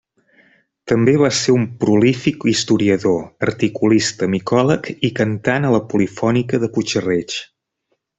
També va ser un prolífic historiador, articulista, micòleg i cantant a la Polifònica de Puig-reig.